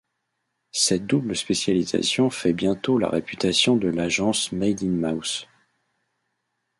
Cette double spécialisation fait bientôt la réputation de l’agence Made in Mouse.